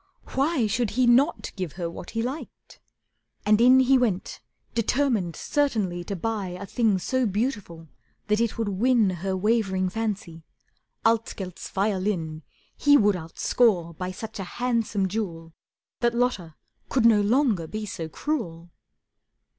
Why Should he not give her what he liked? And in He went, determined certainly to buy A thing so beautiful that it would win Her wavering fancy. Altgelt's violin He would outscore by such a handsome jewel That Lotta could no longer be so cruel!